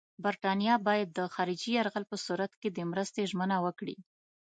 برټانیه باید د خارجي یرغل په صورت کې د مرستې ژمنه وکړي.